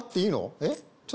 えっ？